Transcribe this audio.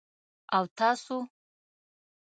_او تاسو؟